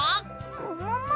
ももも？